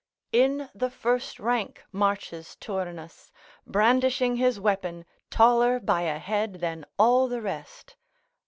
["In the first rank marches Turnus, brandishing his weapon, taller by a head than all the rest."